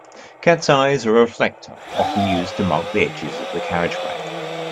Cats eyes are a reflector often used to mark the edges of the carriageway